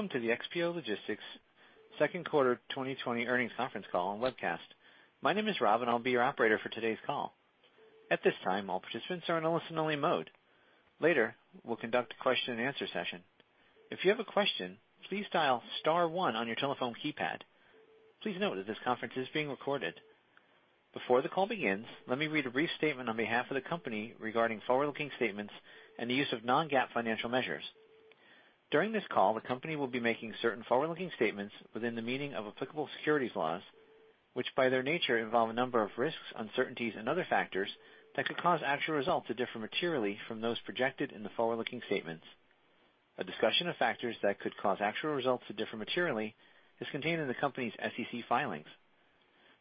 Welcome to the XPO Logistics second quarter 2020 earnings conference call and webcast. My name is Rob, and I'll be your operator for today's call. At this time, all participants are in a listen-only mode. Later, we'll conduct a question-and-answer session. If you have a question, please dial star one on your telephone keypad. Please note that this conference is being recorded. Before the call begins, let me read a brief statement on behalf of the company regarding forward-looking statements and the use of non-GAAP financial measures. During this call, the company will be making certain forward-looking statements within the meaning of applicable securities laws, which by their nature, involve a number of risks, uncertainties, and other factors that could cause actual results to differ materially from those projected in the forward-looking statements. A discussion of factors that could cause actual results to differ materially is contained in the company's SEC filings.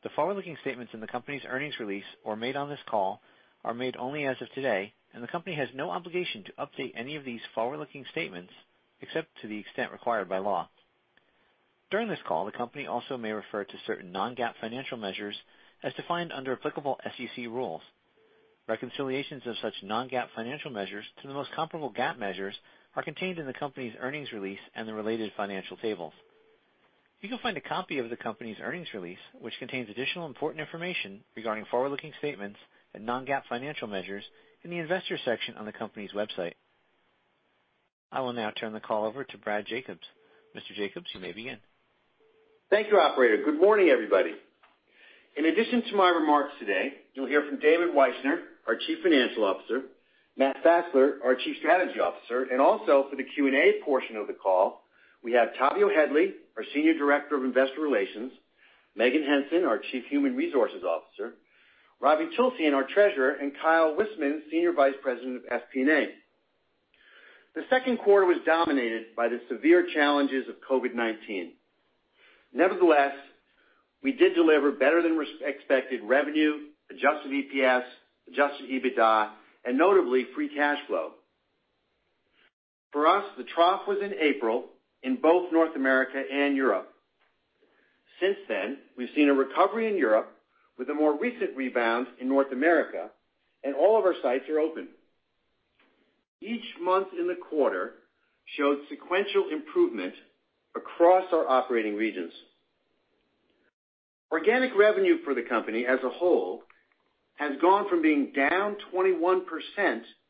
The forward-looking statements in the company's earnings release or made on this call are made only as of today, and the company has no obligation to update any of these forward-looking statements except to the extent required by law. During this call, the company also may refer to certain non-GAAP financial measures as defined under applicable SEC rules. Reconciliations of such non-GAAP financial measures to the most comparable GAAP measures are contained in the company's earnings release and the related financial tables. You can find a copy of the company's earnings release, which contains additional important information regarding forward-looking statements and non-GAAP financial measures in the Investors section on the company's website. I will now turn the call over to Brad Jacobs. Mr. Jacobs, you may begin. Thank you, operator. Good morning, everybody. In addition to my remarks today, you'll hear from David Wyshner, our chief financial officer, Matt Fassler, our chief strategy officer, and also for the Q&A portion of the call, we have Tavio Headley, our senior director of investor relations, Meghan Henson, our chief human resources officer, Ravi Tulsyan, our treasurer, and Kyle Wismans, senior vice president of FP&A. The second quarter was dominated by the severe challenges of COVID-19. Nevertheless, we did deliver better than expected revenue, adjusted EPS, adjusted EBITDA, and notably, free cash flow. For us, the trough was in April in both North America and Europe. Since then, we've seen a recovery in Europe with a more recent rebound in North America, and all of our sites are open. Each month in the quarter showed sequential improvement across our operating regions. Organic revenue for the company as a whole has gone from being down 21%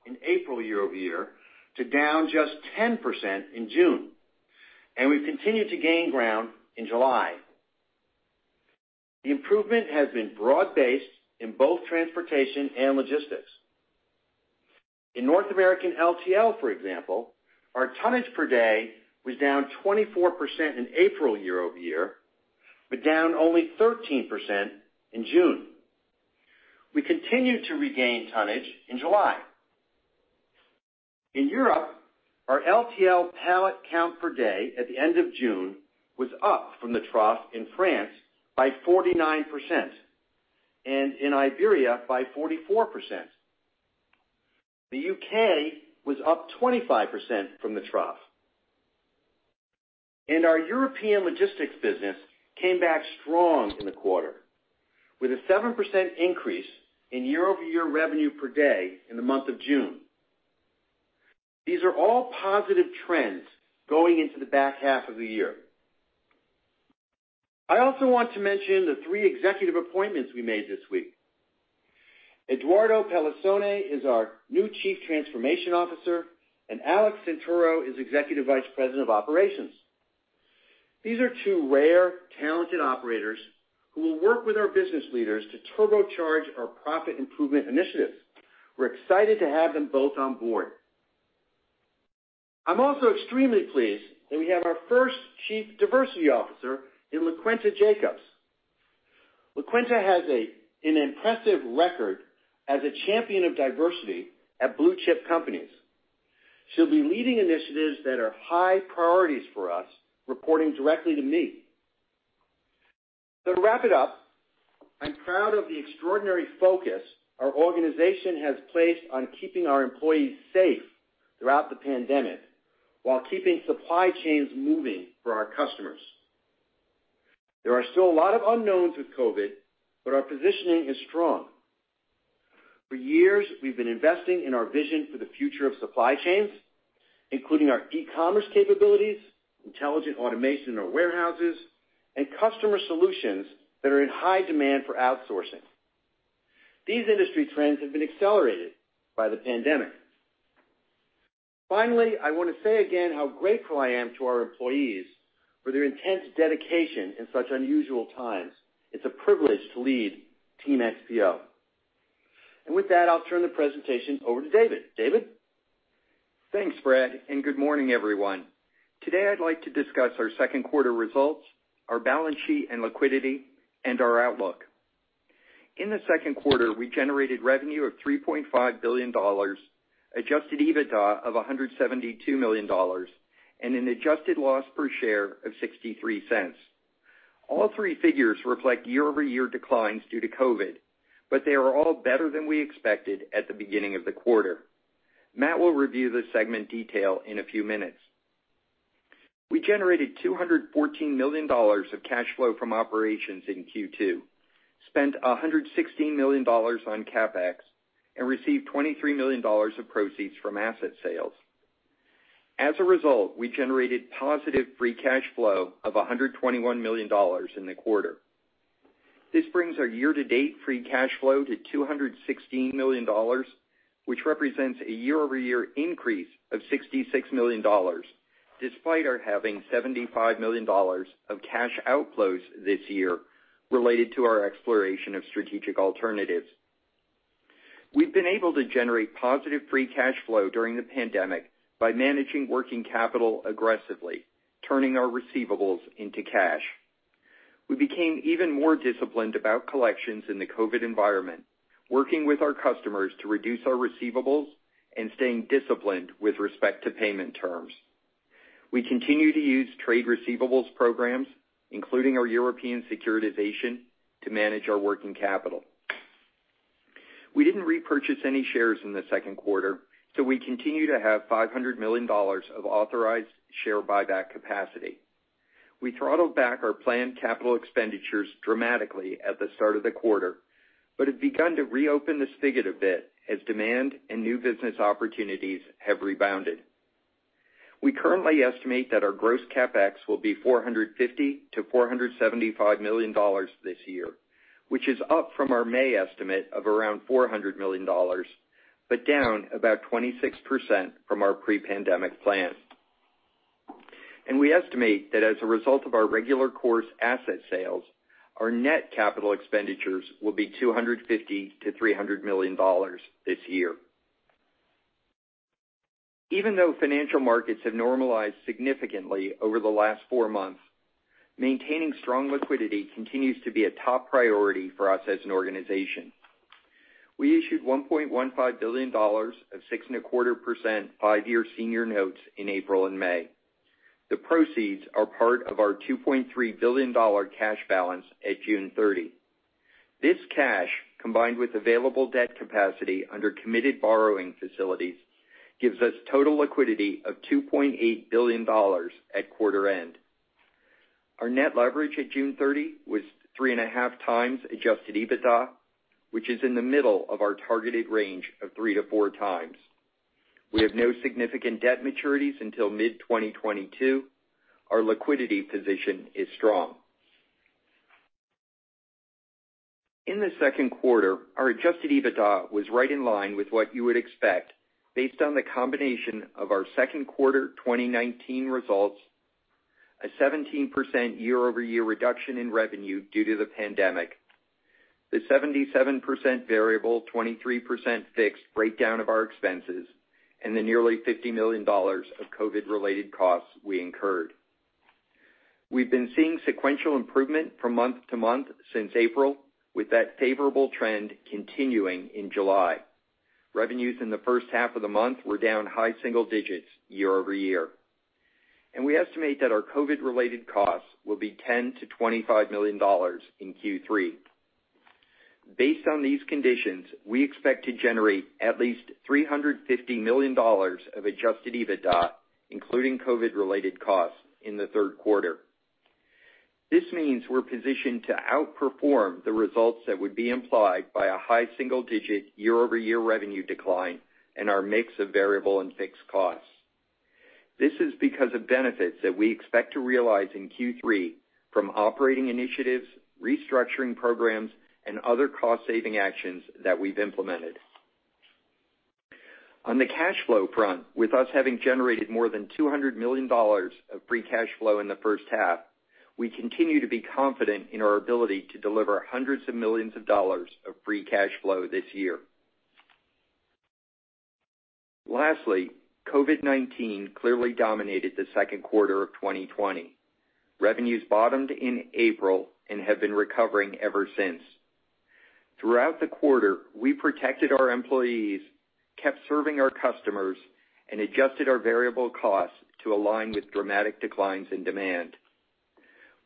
in April year-over-year to down just 10% in June. We've continued to gain ground in July. The improvement has been broad-based in both transportation and logistics. In North American LTL, for example, our tonnage per day was down 24% in April year-over-year, down only 13% in June. We continued to regain tonnage in July. In Europe, our LTL pallet count per day at the end of June was up from the trough in France by 49%, in Iberia by 44%. The U.K. was up 25% from the trough. Our European logistics business came back strong in the quarter, with a 7% increase in year-over-year revenue per day in the month of June. These are all positive trends going into the back half of the year. I also want to mention the three executive appointments we made this week. Eduardo Pelleissone is our new Chief Transformation Officer, and Alex Santoro is Executive Vice President of Operations. These are two rare, talented operators who will work with our business leaders to turbocharge our profit improvement initiatives. We're excited to have them both on board. I'm also extremely pleased that we have our first Chief Diversity Officer in LaQuenta Jacobs. LaQuenta has an impressive record as a champion of diversity at blue-chip companies. She'll be leading initiatives that are high priorities for us, reporting directly to me. To wrap it up, I'm proud of the extraordinary focus our organization has placed on keeping our employees safe throughout the pandemic while keeping supply chains moving for our customers. There are still a lot of unknowns with COVID, but our positioning is strong. For years, we've been investing in our vision for the future of supply chains, including our e-commerce capabilities, intelligent automation in our warehouses, and customer solutions that are in high demand for outsourcing. These industry trends have been accelerated by the pandemic. Finally, I want to say again how grateful I am to our employees for their intense dedication in such unusual times. It's a privilege to lead team XPO. With that, I'll turn the presentation over to David. David? Thanks, Brad, and good morning, everyone. Today, I'd like to discuss our second quarter results, our balance sheet and liquidity, and our outlook. In the second quarter, we generated revenue of $3.5 billion, adjusted EBITDA of $172 million, and an adjusted loss per share of $0.63. All three figures reflect year-over-year declines due to COVID, but they are all better than we expected at the beginning of the quarter. Matt will review the segment detail in a few minutes. We generated $214 million of cash flow from operations in Q2. Spent $116 million on CapEx and received $23 million of proceeds from asset sales. As a result, we generated positive free cash flow of $121 million in the quarter. This brings our year-to-date free cash flow to $216 million, which represents a year-over-year increase of $66 million, despite our having $75 million of cash outflows this year related to our exploration of strategic alternatives. We've been able to generate positive free cash flow during the pandemic by managing working capital aggressively, turning our receivables into cash. We became even more disciplined about collections in the COVID environment, working with our customers to reduce our receivables and staying disciplined with respect to payment terms. We continue to use trade receivables programs, including our European securitization, to manage our working capital. We didn't repurchase any shares in the second quarter, so we continue to have $500 million of authorized share buyback capacity. We throttled back our planned capital expenditures dramatically at the start of the quarter, but have begun to reopen the spigot a bit as demand and new business opportunities have rebounded. We currently estimate that our gross CapEx will be $450 million-$475 million this year, which is up from our May estimate of around $400 million, but down about 26% from our pre-pandemic plan. We estimate that as a result of our regular course asset sales, our net capital expenditures will be $250 million-$300 million this year. Even though financial markets have normalized significantly over the last four months, maintaining strong liquidity continues to be a top priority for us as an organization. We issued $1.15 billion of 6.25% five-year senior notes in April and May. The proceeds are part of our $2.3 billion cash balance at June 30. This cash, combined with available debt capacity under committed borrowing facilities, gives us total liquidity of $2.8 billion at quarter end. Our net leverage at June 30 was 3.5x adjusted EBITDA, which is in the middle of our targeted range of 3x-4x. We have no significant debt maturities until mid-2022. Our liquidity position is strong. In the second quarter, our adjusted EBITDA was right in line with what you would expect based on the combination of our second quarter 2019 results, a 17% year-over-year reduction in revenue due to the pandemic, the 77% variable, 23% fixed breakdown of our expenses, and the nearly $50 million of COVID-related costs we incurred. We've been seeing sequential improvement from month-to-month since April, with that favorable trend continuing in July. Revenues in the first half of the month were down high single digits year-over-year. We estimate that our COVID-related costs will be $10 million-$25 million in Q3. Based on these conditions, we expect to generate at least $350 million of adjusted EBITDA, including COVID-related costs in the third quarter. This means we're positioned to outperform the results that would be implied by a high single-digit year-over-year revenue decline and our mix of variable and fixed costs. This is because of benefits that we expect to realize in Q3 from operating initiatives, restructuring programs, and other cost-saving actions that we've implemented. On the cash flow front, with us having generated more than $200 million of free cash flow in the first half, we continue to be confident in our ability to deliver hundreds of millions of dollars of free cash flow this year. Lastly, COVID-19 clearly dominated the second quarter of 2020. Revenues bottomed in April and have been recovering ever since. Throughout the quarter, we protected our employees, kept serving our customers, and adjusted our variable costs to align with dramatic declines in demand.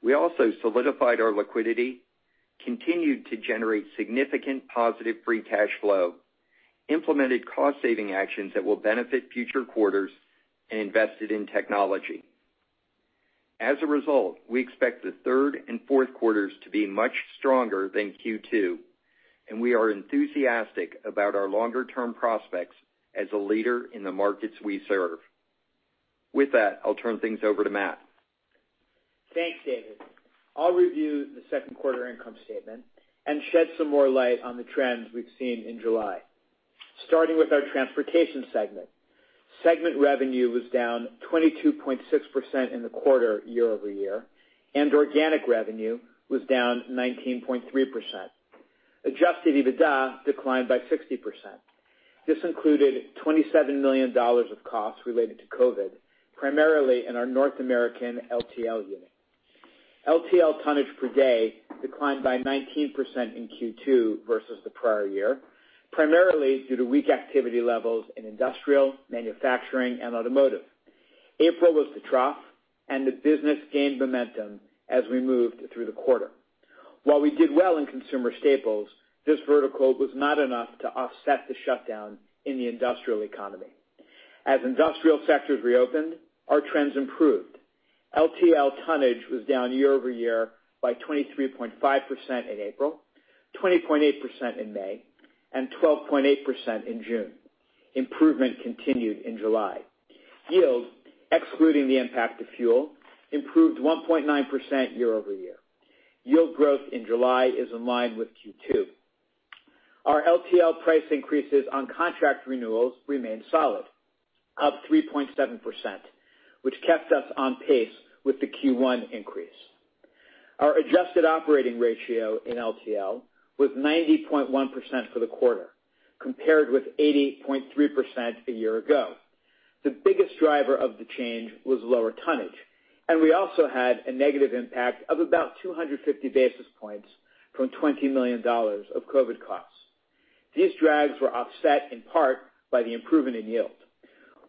We also solidified our liquidity, continued to generate significant positive free cash flow, implemented cost saving actions that will benefit future quarters, and invested in technology. As a result, we expect the third and fourth quarters to be much stronger than Q2, and we are enthusiastic about our longer term prospects as a leader in the markets we serve. With that, I'll turn things over to Matt. Thanks, David. I'll review the second quarter income statement and shed some more light on the trends we've seen in July. Starting with our transportation segment. Segment revenue was down 22.6% in the quarter year-over-year, and organic revenue was down 19.3%. Adjusted EBITDA declined by 60%. This included $27 million of costs related to COVID-19, primarily in our North American LTL unit. LTL tonnage per day declined by 19% in Q2 versus the prior year, primarily due to weak activity levels in industrial, manufacturing, and automotive. April was the trough, and the business gained momentum as we moved through the quarter. While we did well in consumer staples, this vertical was not enough to offset the shutdown in the industrial economy. As industrial sectors reopened, our trends improved. LTL tonnage was down year-over-year by 23.5% in April, 20.8% in May, and 12.8% in June. Improvement continued in July. Yield, excluding the impact of fuel, improved 1.9% year-over-year. Yield growth in July is in line with Q2. Our LTL price increases on contract renewals remained solid, up 3.7%, which kept us on pace with the Q1 increase. Our adjusted operating ratio in LTL was 90.1% for the quarter, compared with 80.3% a year ago. The biggest driver of the change was lower tonnage, and we also had a negative impact of about 250 basis points from $20 million of COVID costs. These drags were offset in part by the improvement in yield.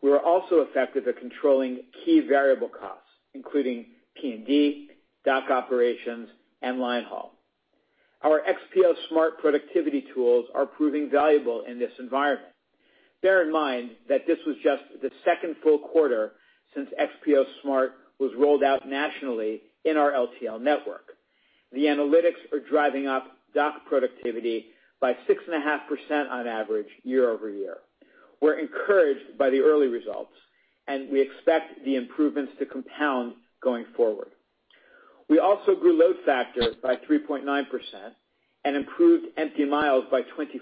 We were also effective at controlling key variable costs, including P&D, dock operations, and line haul. Our XPO Smart productivity tools are proving valuable in this environment. Bear in mind that this was just the second full quarter since XPO Smart was rolled out nationally in our LTL network. The analytics are driving up dock productivity by 6.5% on average year-over-year. We're encouraged by the early results. We expect the improvements to compound going forward. We also grew load factor by 3.9% and improved empty miles by 24%,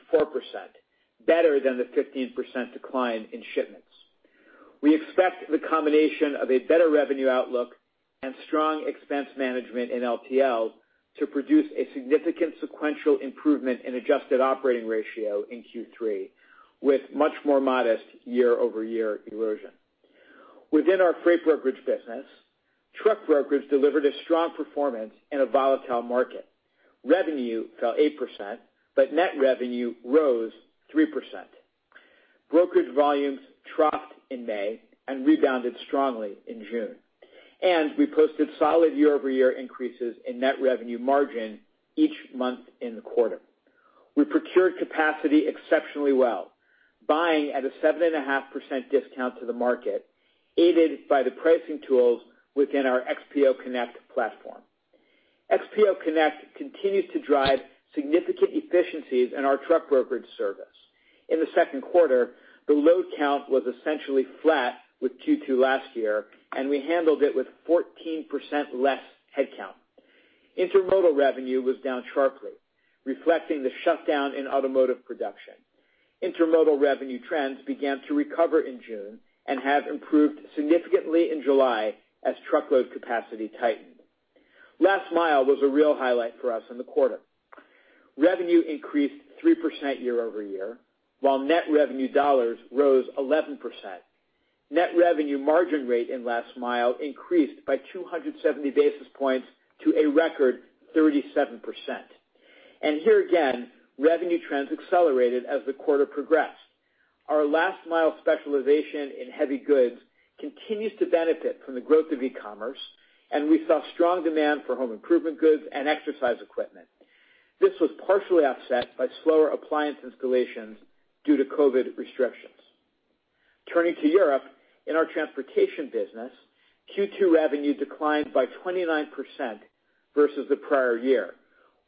better than the 15% decline in shipments. We expect the combination of a better revenue outlook and strong expense management in LTL to produce a significant sequential improvement in adjusted operating ratio in Q3, with much more modest year-over-year erosion. Within our freight brokerage business, truck brokerage delivered a strong performance in a volatile market. Revenue fell 8%. Net revenue rose 3%. Brokerage volumes dropped in May and rebounded strongly in June. We posted solid year-over-year increases in net revenue margin each month in the quarter. We procured capacity exceptionally well, buying at a 7.5% discount to the market, aided by the pricing tools within our XPO Connect platform. XPO Connect continues to drive significant efficiencies in our truck brokerage service. In the second quarter, the load count was essentially flat with Q2 last year, and we handled it with 14% less headcount. Intermodal revenue was down sharply, reflecting the shutdown in automotive production. Intermodal revenue trends began to recover in June and have improved significantly in July as truckload capacity tightened. Last mile was a real highlight for us in the quarter. Revenue increased 3% year-over-year, while net revenue dollars rose 11%. Net revenue margin rate in last mile increased by 270 basis points to a record 37%. Here again, revenue trends accelerated as the quarter progressed. Our last mile specialization in heavy goods continues to benefit from the growth of e-commerce, and we saw strong demand for home improvement goods and exercise equipment. This was partially offset by slower appliance installations due to COVID restrictions. Turning to Europe, in our transportation business, Q2 revenue declined by 29% versus the prior year.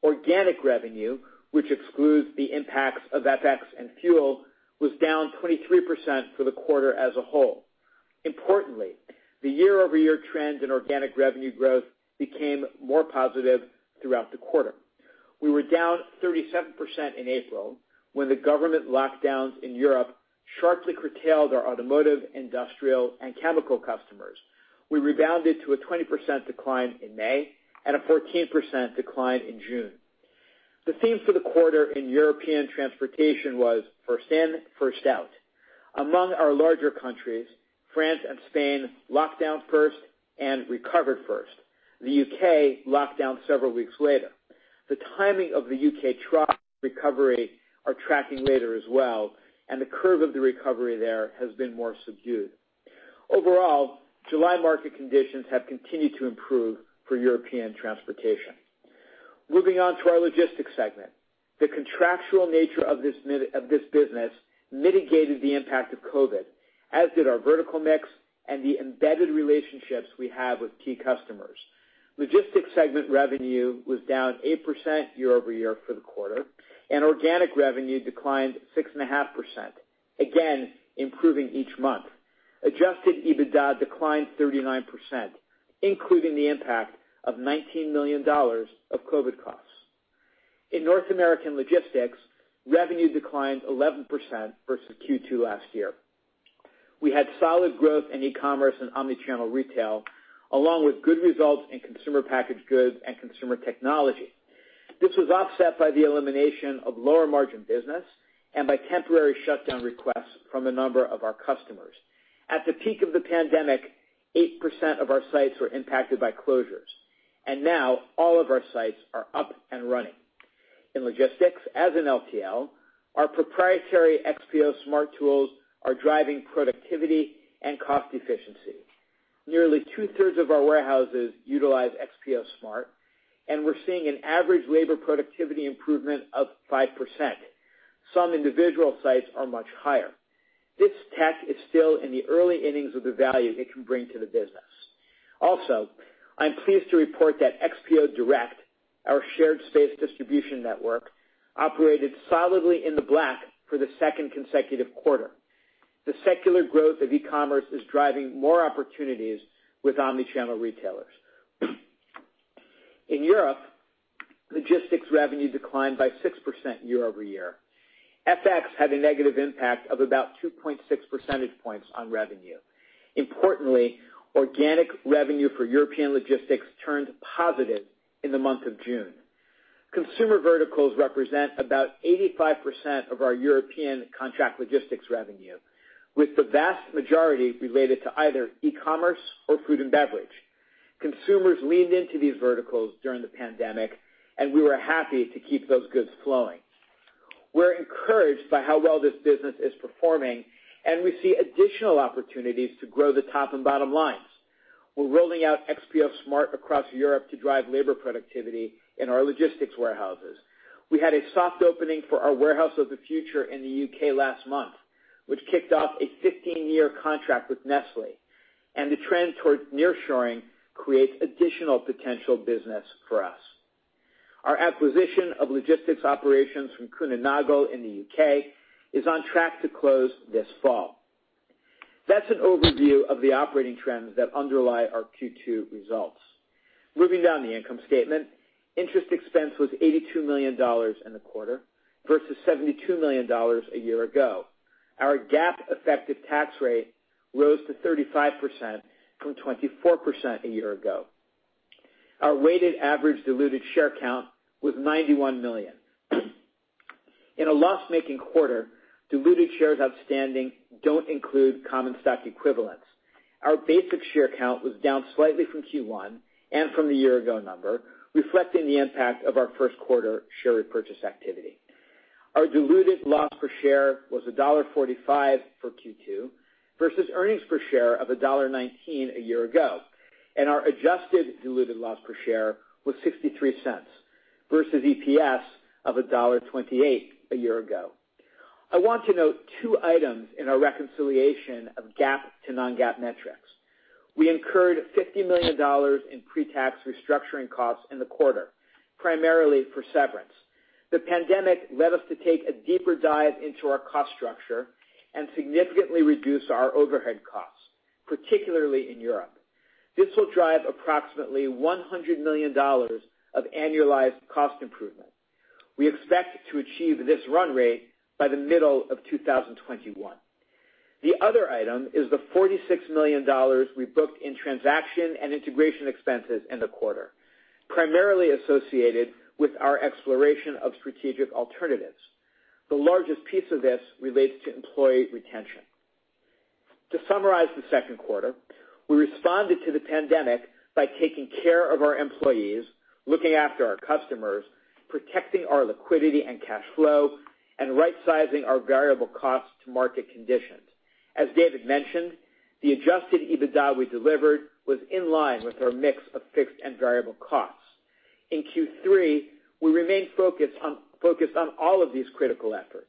Organic revenue, which excludes the impacts of FX and fuel, was down 23% for the quarter as a whole. Importantly, the year-over-year trend in organic revenue growth became more positive throughout the quarter. We were down 37% in April, when the government lockdowns in Europe sharply curtailed our automotive, industrial, and chemical customers. We rebounded to a 20% decline in May and a 14% decline in June. The theme for the quarter in European transportation was first in, first out. Among our larger countries, France and Spain locked down first and recovered first. The U.K. locked down several weeks later. The timing of the U.K. trough recovery are tracking later as well, and the curve of the recovery there has been more subdued. Overall, July market conditions have continued to improve for European transportation. Moving on to our logistics segment. The contractual nature of this business mitigated the impact of COVID, as did our vertical mix and the embedded relationships we have with key customers. Logistics segment revenue was down 8% year-over-year for the quarter, and organic revenue declined 6.5%, again, improving each month. Adjusted EBITDA declined 39%, including the impact of $19 million of COVID costs. In North American logistics, revenue declined 11% versus Q2 last year. We had solid growth in e-commerce and omni-channel retail, along with good results in consumer packaged goods and consumer technology. This was offset by the elimination of lower margin business and by temporary shutdown requests from a number of our customers. At the peak of the pandemic, 8% of our sites were impacted by closures, and now all of our sites are up and running. In logistics, as in LTL, our proprietary XPO Smart tools are driving productivity and cost efficiency. Nearly two-thirds of our warehouses utilize XPO Smart, and we're seeing an average labor productivity improvement of 5%. Some individual sites are much higher. This tech is still in the early innings of the value it can bring to the business. Also, I'm pleased to report that XPO Direct, our shared space distribution network, operated solidly in the black for the second consecutive quarter. The secular growth of e-commerce is driving more opportunities with omni-channel retailers. In Europe, logistics revenue declined by 6% year-over-year. FX had a negative impact of about 2.6 percentage points on revenue. Importantly, organic revenue for European logistics turned positive in the month of June. Consumer verticals represent about 85% of our European contract logistics revenue, with the vast majority related to either e-commerce or food and beverage. Consumers leaned into these verticals during the pandemic, and we were happy to keep those goods flowing. We're encouraged by how well this business is performing, and we see additional opportunities to grow the top and bottom lines. We're rolling out XPO Smart across Europe to drive labor productivity in our logistics warehouses. We had a soft opening for our Warehouse of the Future in the U.K. last month, which kicked off a 15-year contract with Nestlé. The trend towards nearshoring creates additional potential business for us. Our acquisition of logistics operations from Kuehne+Nagel in the U.K. is on track to close this fall. That's an overview of the operating trends that underlie our Q2 results. Moving down the income statement, interest expense was $82 million in the quarter versus $72 million a year ago. Our GAAP effective tax rate rose to 35% from 24% a year ago. Our weighted average diluted share count was 91 million. In a loss-making quarter, diluted shares outstanding don't include common stock equivalents. Our basic share count was down slightly from Q1, and from the year ago number, reflecting the impact of our first quarter share repurchase activity. Our diluted loss per share was $1.45 for Q2 versus earnings per share of $1.19 a year ago, and our adjusted diluted loss per share was $0.63 versus EPS of $1.28 a year ago. I want to note two items in our reconciliation of GAAP to non-GAAP metrics. We incurred $50 million in pre-tax restructuring costs in the quarter, primarily for severance. The pandemic led us to take a deeper dive into our cost structure and significantly reduce our overhead costs, particularly in Europe. This will drive approximately $100 million of annualized cost improvement. We expect to achieve this run rate by the middle of 2021. The other item is the $46 million we booked in transaction and integration expenses in the quarter, primarily associated with our exploration of strategic alternatives. The largest piece of this relates to employee retention. To summarize the second quarter, we responded to the pandemic by taking care of our employees, looking after our customers, protecting our liquidity and cash flow, and rightsizing our variable costs to market conditions. As David mentioned, the adjusted EBITDA we delivered was in line with our mix of fixed and variable costs. In Q3, we remain focused on all of these critical efforts.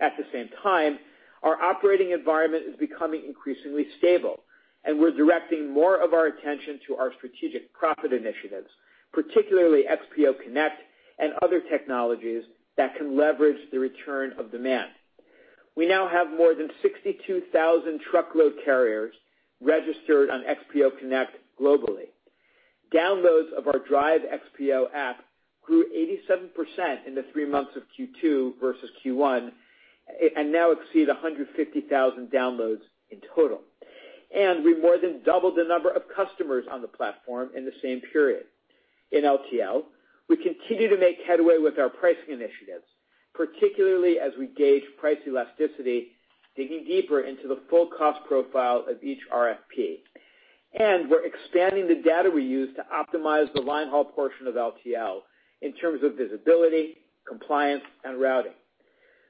At the same time, our operating environment is becoming increasingly stable, and we're directing more of our attention to our strategic profit initiatives, particularly XPO Connect and other technologies that can leverage the return of demand. We now have more than 62,000 truckload carriers registered on XPO Connect globally. Downloads of our Drive XPO app grew 87% in the three months of Q2 versus Q1 and now exceed 150,000 downloads in total. We more than doubled the number of customers on the platform in the same period. In LTL, we continue to make headway with our pricing initiatives, particularly as we gauge price elasticity, digging deeper into the full cost profile of each RFP. We're expanding the data we use to optimize the line haul portion of LTL in terms of visibility, compliance, and routing.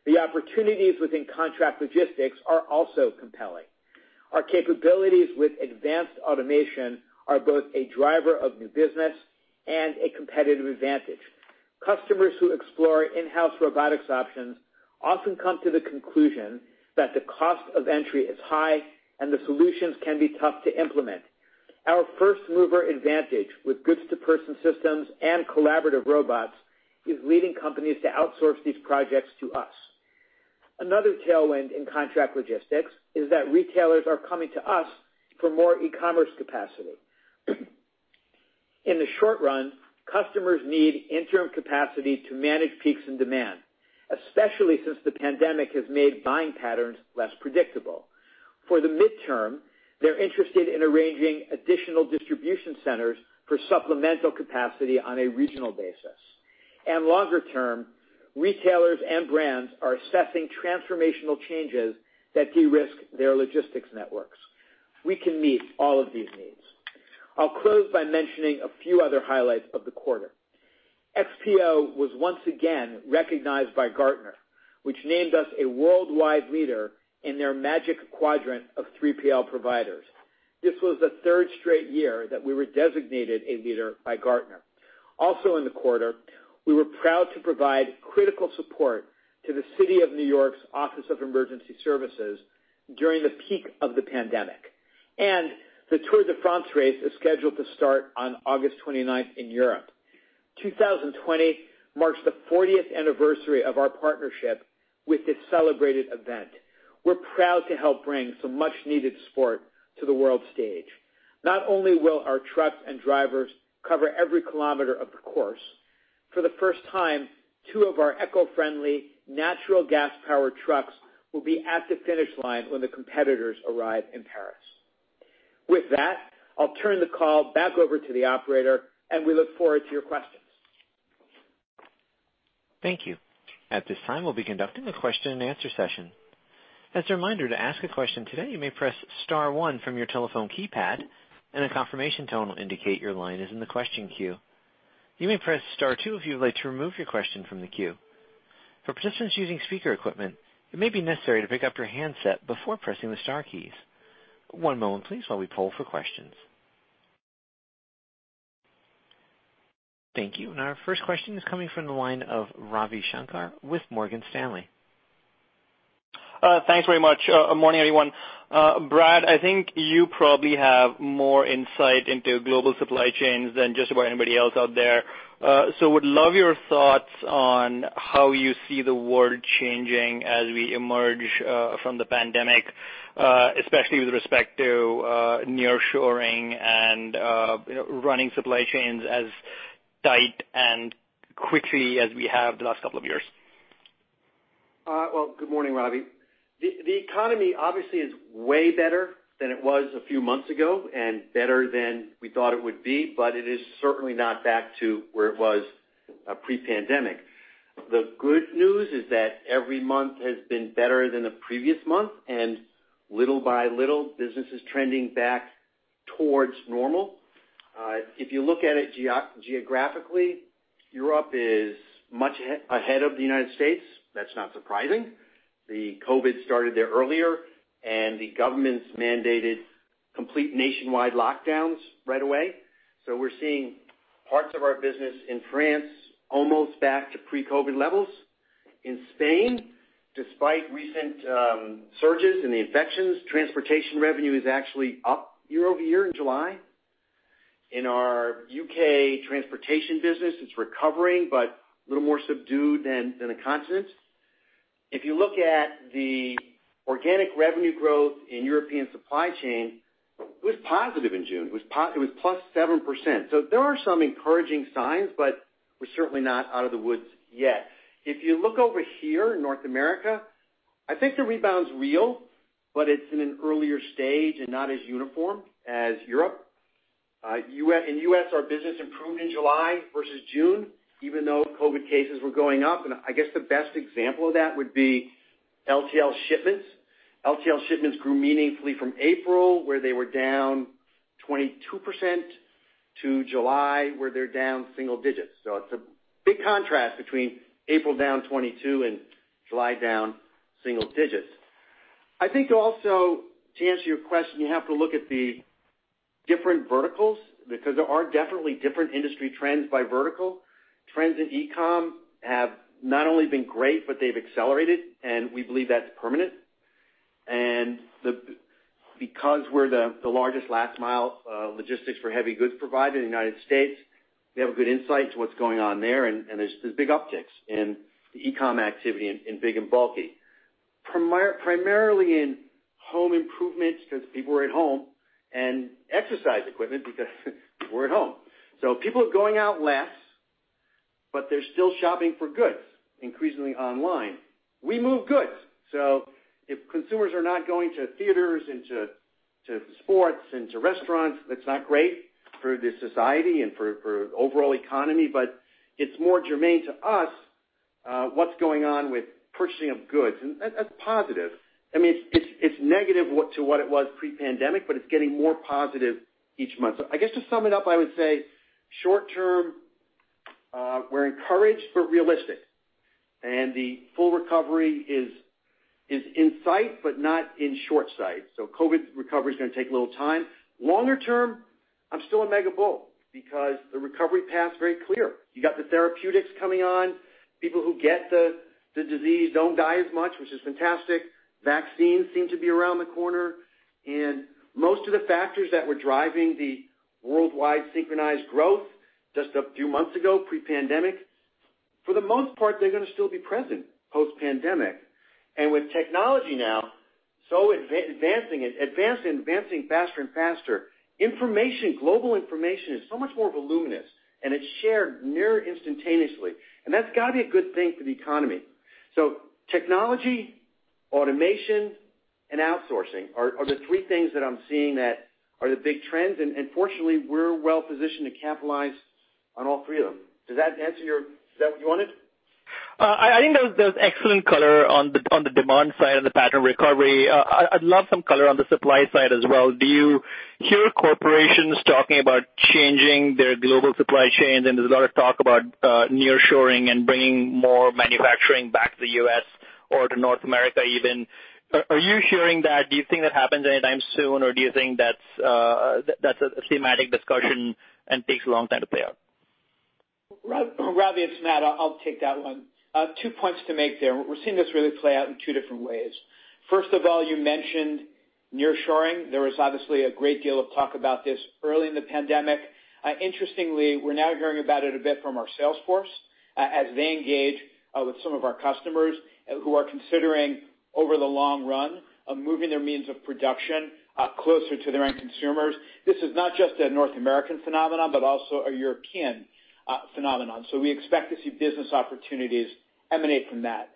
The opportunities within contract logistics are also compelling. Our capabilities with advanced automation are both a driver of new business and a competitive advantage. Customers who explore in-house robotics options often come to the conclusion that the cost of entry is high and the solutions can be tough to implement. Our first-mover advantage with goods-to-person systems and collaborative robots is leading companies to outsource these projects to us. Another tailwind in contract logistics is that retailers are coming to us for more e-commerce capacity. In the short run, customers need interim capacity to manage peaks in demand, especially since the pandemic has made buying patterns less predictable. For the midterm, they're interested in arranging additional distribution centers for supplemental capacity on a regional basis. Longer-term, retailers and brands are assessing transformational changes that de-risk their logistics networks. We can meet all of these needs. I'll close by mentioning a few other highlights of the quarter. XPO was once again recognized by Gartner, which named us a worldwide leader in their Magic Quadrant of 3PL providers. This was the third straight year that we were designated a leader by Gartner. In the quarter, we were proud to provide critical support to the city of New York's Office of Emergency Services during the peak of the pandemic, and the Tour de France race is scheduled to start on August 29th in Europe. 2020 marks the 40th anniversary of our partnership with this celebrated event. We're proud to help bring some much-needed sport to the world stage. Not only will our trucks and drivers cover every kilometer of the course, for the first time, two of our eco-friendly natural gas-powered trucks will be at the finish line when the competitors arrive in Paris. With that, I'll turn the call back over to the operator, and we look forward to your questions. Thank you. At this time, we'll be conducting a question-and-answer session. As a reminder, to ask a question today, you may press star one from your telephone keypad, and a confirmation tone will indicate your line is in the question queue. You may press star two if you would like to remove your question from the queue. For participants using speaker equipment, it may be necessary to pick up your handset before pressing the star keys. One moment please while we poll for questions. Thank you. Our first question is coming from the line of Ravi Shanker with Morgan Stanley. Thanks very much. Morning, everyone. Brad, I think you probably have more insight into global supply chains than just about anybody else out there. Would love your thoughts on how you see the world changing as we emerge from the pandemic, especially with respect to nearshoring and running supply chains as tight and quickly as we have the last couple of years. Well, good morning, Ravi. The economy obviously is way better than it was a few months ago and better than we thought it would be, but it is certainly not back to where it was pre-pandemic. The good news is that every month has been better than the previous month, and little by little, business is trending back towards normal. If you look at it geographically, Europe is much ahead of the United States. That's not surprising. The COVID-19 started there earlier, and the governments mandated complete nationwide lockdowns right away. We're seeing parts of our business in France almost back to pre-COVID-19 levels. In Spain, despite recent surges in the infections, transportation revenue is actually up year-over-year in July. In our U.K. transportation business, it's recovering, but a little more subdued than the continent. If you look at the organic revenue growth in European supply chain, it was positive in June. It was +7%. There are some encouraging signs, but we're certainly not out of the woods yet. If you look over here in North America, I think the rebound is real, but it's in an earlier stage and not as uniform as Europe. In U.S., our business improved in July versus June, even though COVID cases were going up. I guess the best example of that would be LTL shipments. LTL shipments grew meaningfully from April, where they were down 22%, to July, where they're down single digits. It's a big contrast between April down 22% and July down single digits. I think also, to answer your question, you have to look at the different verticals because there are definitely different industry trends by vertical. Trends in e-com have not only been great, but they've accelerated. We believe that's permanent. Because we're the largest last mile logistics for heavy goods provider in the U.S., we have a good insight to what's going on there, and there's big upticks in the e-com activity in big and bulky. Primarily in home improvements because people are at home, and exercise equipment because we're at home. People are going out less, but they're still shopping for goods, increasingly online. We move goods. If consumers are not going to theaters and to sports and to restaurants, that's not great for the society and for overall economy, but it's more germane to us what's going on with purchasing of goods. That's positive. It's negative to what it was pre-pandemic. It's getting more positive each month. I guess to sum it up, I would say short term, we're encouraged but realistic. The full recovery is in sight but not in short sight. COVID recovery is going to take a little time. Longer term, I'm still a mega bull because the recovery path is very clear. You got the therapeutics coming on. People who get the disease don't die as much, which is fantastic. Vaccines seem to be around the corner. Most of the factors that were driving the worldwide synchronized growth just a few months ago, pre-pandemic, for the most part, they're going to still be present post-pandemic. With technology now advancing faster and faster, global information is so much more voluminous, and it's shared near instantaneously. That's got to be a good thing for the economy. Technology, automation, and outsourcing are the three things that I'm seeing that are the big trends, and fortunately, we're well positioned to capitalize on all three of them. Is that what you wanted? I think that was excellent color on the demand side and the pattern of recovery. I'd love some color on the supply side as well. Do you hear corporations talking about changing their global supply chains? There's a lot of talk about nearshoring and bringing more manufacturing back to the U.S. To North America even. Are you hearing that? Do you think that happens anytime soon, or do you think that's a thematic discussion and takes a long time to play out? Ravi, it's Matt. I'll take that one. Two points to make there. We're seeing this really play out in two different ways. First of all, you mentioned nearshoring. There was obviously a great deal of talk about this early in the pandemic. Interestingly, we're now hearing about it a bit from our sales force as they engage with some of our customers who are considering, over the long run, moving their means of production closer to their end consumers. This is not just a North American phenomenon, but also a European phenomenon. We expect to see business opportunities emanate from that.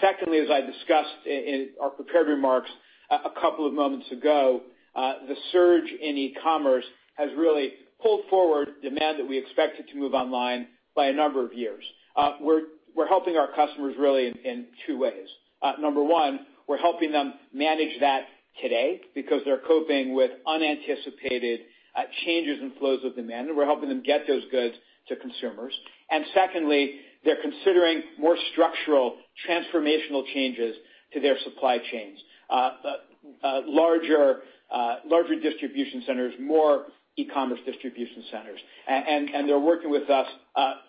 Secondly, as I discussed in our prepared remarks a couple of moments ago, the surge in e-commerce has really pulled forward demand that we expected to move online by a number of years. We're helping our customers really in two ways. Number one, we're helping them manage that today because they're coping with unanticipated changes in flows of demand, and we're helping them get those goods to consumers. Secondly, they're considering more structural, transformational changes to their supply chains. Larger distribution centers, more e-commerce distribution centers. They're working with us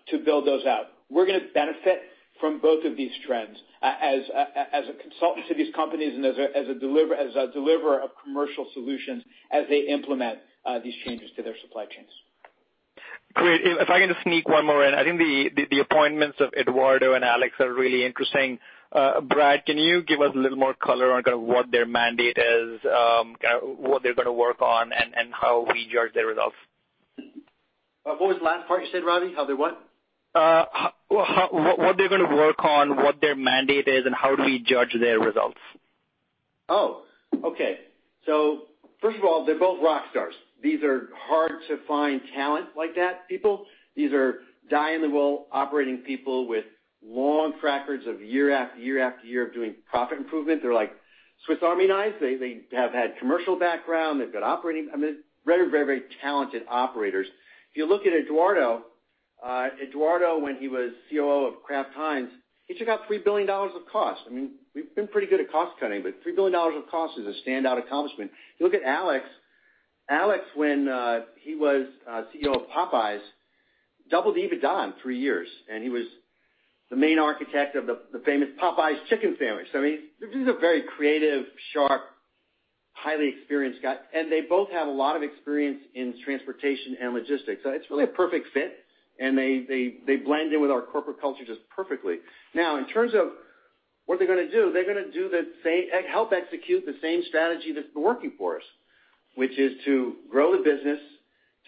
to build those out. We're going to benefit from both of these trends as a consultant to these companies and as a deliverer of commercial solutions as they implement these changes to their supply chains. Great. If I can just sneak one more in. I think the appointments of Eduardo and Alex are really interesting. Brad, can you give us a little more color on kind of what their mandate is, what they're going to work on, and how we judge their results? What was the last part you said, Ravi? How they what? What they're going to work on, what their mandate is, and how do we judge their results? First of all, they're both rock stars. These are hard-to-find talent like that people. These are die-in-the-wool operating people with long track records of year after year after year of doing profit improvement. They're like Swiss Army knives. They have had commercial background. They've got very, very talented operators. If you look at Eduardo. Eduardo, when he was COO of Kraft Heinz, he took out $3 billion of cost. We've been pretty good at cost cutting, but $3 billion of cost is a standout accomplishment. You look at Alex. Alex, when he was COO of Popeyes, doubled EBITDA in three years, and he was the main architect of the famous Popeyes chicken sandwich. He's a very creative, sharp, highly experienced guy, and they both have a lot of experience in transportation and logistics. It's really a perfect fit, and they blend in with our corporate culture just perfectly. In terms of what they're going to do, they're going to help execute the same strategy that's been working for us, which is to grow the business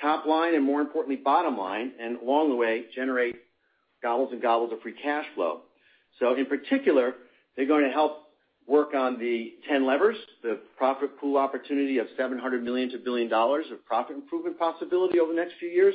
top line, and more importantly, bottom line, and along the way, generate gobbles and gobbles of free cash flow. In particular, they're going to help work on the 10 Levers, the profit pool opportunity of $700 million-$1 billion of profit improvement possibility over the next few years.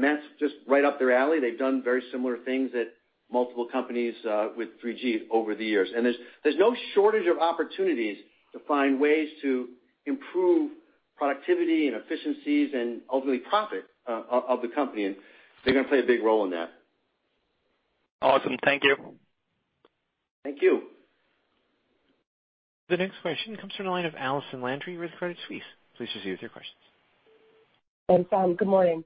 That's just right up their alley. They've done very similar things at multiple companies with 3G over the years. There's no shortage of opportunities to find ways to improve productivity and efficiencies and ultimately profit of the company. They're going to play a big role in that. Awesome. Thank you. Thank you. The next question comes from the line of Allison Landry, Credit Suisse. Please proceed with your questions. Thanks. Good morning.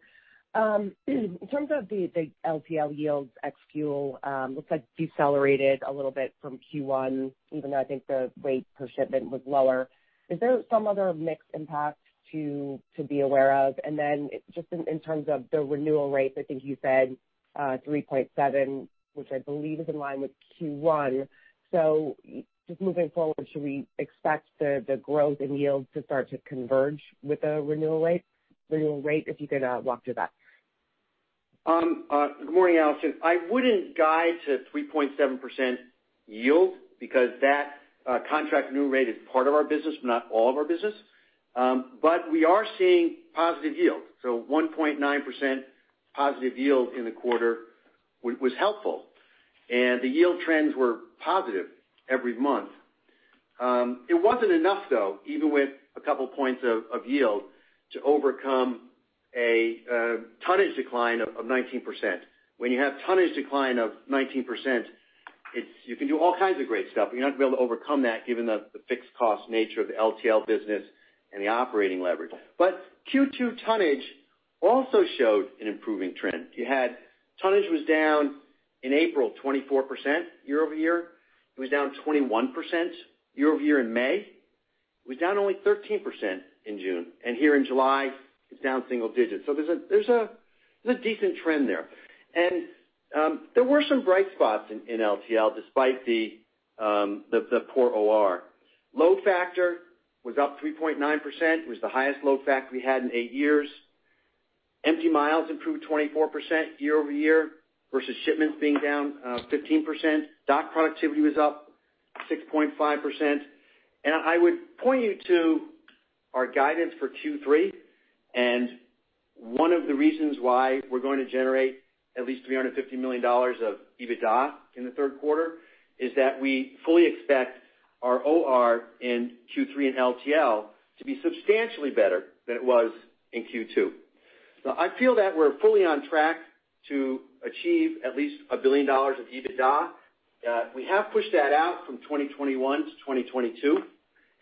In terms of the LTL yields ex fuel, looks like decelerated a little bit from Q1, even though I think the weight per shipment was lower. Is there some other mixed impact to be aware of? Just in terms of the renewal rates, I think you said, 3.7, which I believe is in line with Q1. Just moving forward, should we expect the growth in yields to start to converge with the renewal rate? If you could walk through that. Good morning, Allison. I wouldn't guide to 3.7% yield because that contract new rate is part of our business, but not all of our business. We are seeing positive yield. 1.9% positive yield in the quarter was helpful, and the yield trends were positive every month. It wasn't enough, though, even with a couple points of yield to overcome a tonnage decline of 19%. When you have tonnage decline of 19%, you can do all kinds of great stuff, but you're not going to be able to overcome that given the fixed cost nature of the LTL business and the operating leverage. Q2 tonnage also showed an improving trend. Tonnage was down in April 24% year-over-year. It was down 21% year-over-year in May. It was down only 13% in June. Here in July, it's down single-digits. There's a decent trend there. There were some bright spots in LTL, despite the poor OR. Load factor was up 3.9%, was the highest load factor we had in eight years. Empty miles improved 24% year-over-year versus shipments being down 15%. Dock productivity was up 6.5%. I would point you to our guidance for Q3. One of the reasons why we're going to generate at least $350 million of EBITDA in the third quarter is that we fully expect our OR in Q3 in LTL to be substantially better than it was in Q2. I feel that we're fully on track to achieve at least $1 billion of EBITDA. We have pushed that out from 2021 to 2022,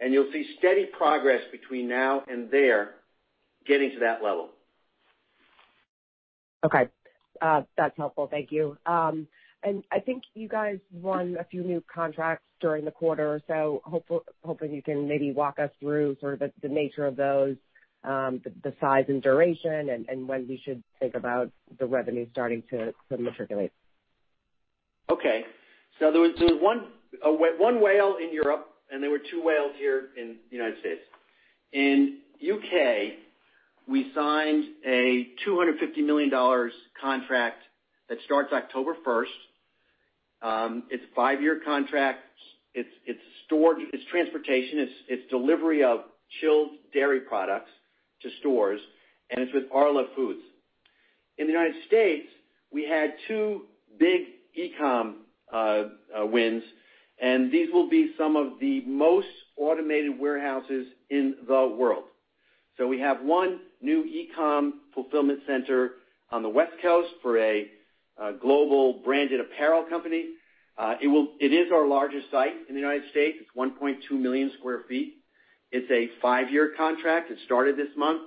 and you'll see steady progress between now and there getting to that level. Okay. That's helpful. Thank you. I think you guys won a few new contracts during the quarter, so hoping you can maybe walk us through sort of the nature of those, the size and duration, and when we should think about the revenue starting to matriculate. Okay. There was one whale in Europe, and there were two whales here in the United States. In U.K., we signed a $250 million contract that starts October 1st. It's a five-year contract. It's transportation. It's delivery of chilled dairy products to stores, and it's with Arla Foods. In the United States, we had two big e-com wins. These will be some of the most automated warehouses in the world. We have one new e-com fulfillment center on the West Coast for a global branded apparel company. It is our largest site in the United States. It's 1.2 million square feet. It's a five-year contract. It started this month,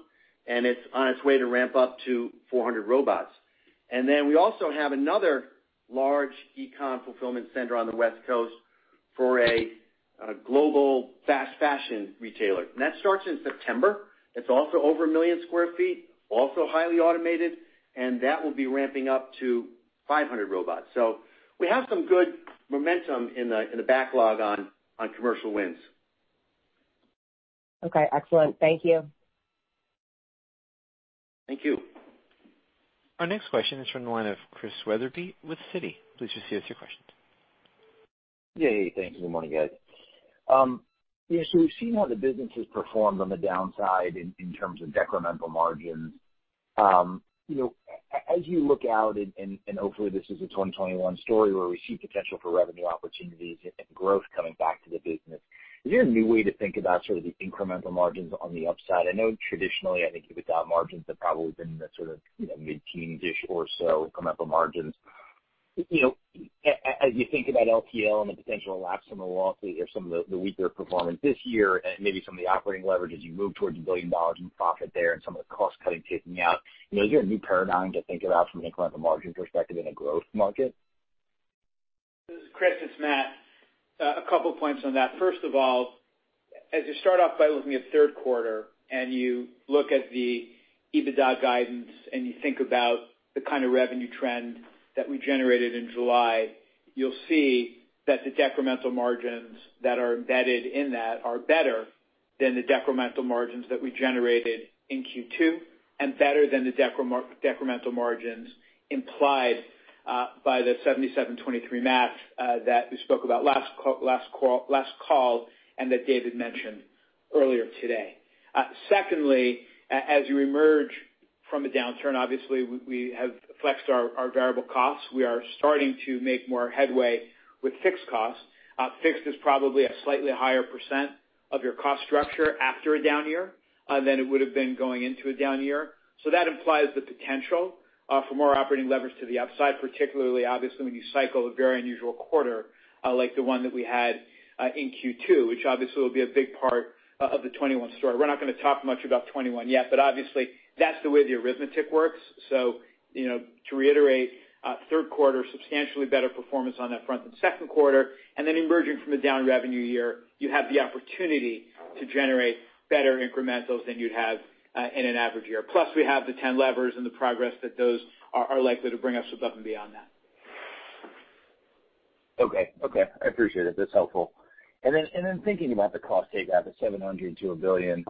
and it's on its way to ramp up to 400 robots. We also have another large e-com fulfillment center on the West Coast for a global fast fashion retailer. That starts in September. It's also over a million square feet, also highly automated, and that will be ramping up to 500 robots. We have some good momentum in the backlog on commercial wins. Okay. Excellent. Thank you. Thank you. Our next question is from the line of Christian Wetherbee with Citi. Please just give us your question. Hey, thanks. Good morning, guys. We've seen how the business has performed on the downside in terms of decremental margins. As you look out, hopefully this is a 2021 story where we see potential for revenue opportunities and growth coming back to the business, is there a new way to think about sort of the incremental margins on the upside? I know traditionally, I think EBITDA margins have probably been in the sort of mid-teen-ish or so incremental margins. As you think about LTL and the potential lapse from the lawsuit or some of the weaker performance this year and maybe some of the operating leverage as you move towards $1 billion in profit there and some of the cost cutting kicking out, is there a new paradigm to think about from an incremental margin perspective in a growth market? Chris, it's Matt. A couple points on that. First of all, as you start off by looking at third quarter and you look at the EBITDA guidance and you think about the kind of revenue trend that we generated in July, you'll see that the decremental margins that are embedded in that are better than the decremental margins that we generated in Q2 and better than the decremental margins implied by the 77/23 math that we spoke about last call and that David mentioned earlier today. Secondly, as you emerge from a downturn, obviously, we have flexed our variable costs. We are starting to make more headway with fixed costs. Fixed is probably a slightly higher percent of your cost structure after a down year than it would have been going into a down year. That implies the potential for more operating leverage to the upside, particularly obviously when you cycle a very unusual quarter like the one that we had in Q2, which obviously will be a big part of the 2021 story. We're not going to talk much about 2021 yet, obviously that's the way the arithmetic works. To reiterate, third quarter, substantially better performance on that front than second quarter, emerging from a down revenue year, you have the opportunity to generate better incrementals than you'd have in an average year. Plus, we have the 10 Levers and the progress that those are likely to bring us above and beyond that. Okay. I appreciate it. That's helpful. Thinking about the cost save guide, the $700 million-$1 billion,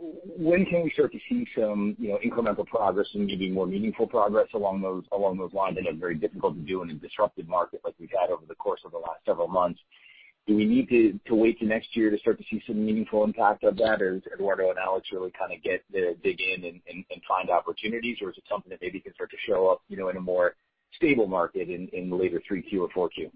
when can we start to see some incremental progress and maybe more meaningful progress along those lines? I know they're very difficult to do in a disruptive market like we've had over the course of the last several months. Do we need to wait till next year to start to see some meaningful impact of that? As Eduardo and Alex really kind of get to dig in and find opportunities, or is it something that maybe can start to show up in a more stable market in the later Q3 or Q4?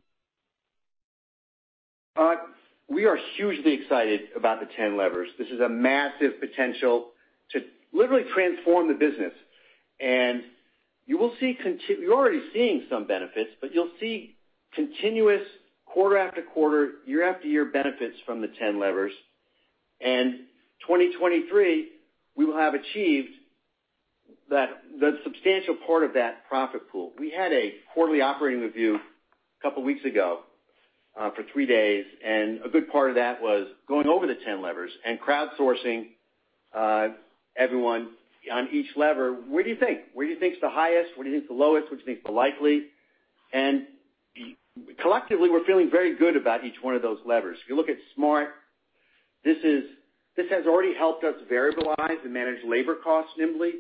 We are hugely excited about the 10 levers. This is a massive potential to literally transform the business. You're already seeing some benefits, but you'll see continuous quarter after quarter, year after year benefits from the 10 levers. 2023, we will have achieved the substantial part of that profit pool. We had a quarterly operating review a couple of weeks ago for three days, and a good part of that was going over the 10 levers and crowdsourcing everyone on each lever. What do you think? What do you think is the highest? What do you think is the lowest? What do you think is the likely? Collectively, we're feeling very good about each one of those levers. If you look at SMART, this has already helped us variabilize and manage labor costs nimbly.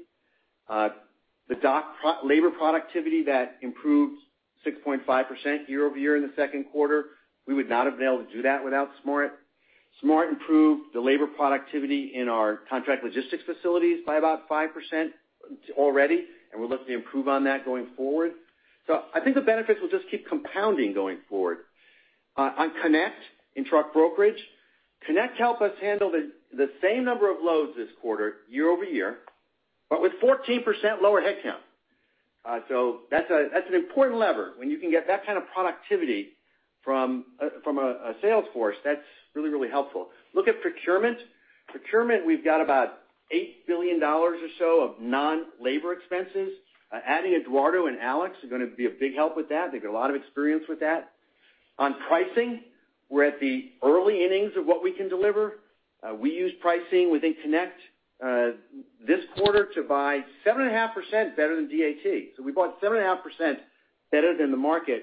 The labor productivity that improved 6.5% year-over-year in the second quarter, we would not have been able to do that without Smart. Smart improved the labor productivity in our contract logistics facilities by about 5% already, and we're looking to improve on that going forward. I think the benefits will just keep compounding going forward. On Connect in truck brokerage. Connect helped us handle the same number of loads this quarter, year-over-year, but with 14% lower headcount. That's an important lever, when you can get that kind of productivity from a sales force, that's really helpful. Look at procurement. Procurement, we've got about $8 billion or so of non-labor expenses. Adding Eduardo and Alex is going to be a big help with that. They've got a lot of experience with that. On pricing, we're at the early innings of what we can deliver. We used pricing within Connect this quarter to buy 7.5% better than DAT. We bought 7.5% better than the market